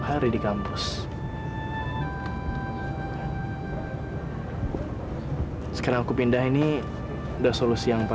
sampai jumpa di video selanjutnya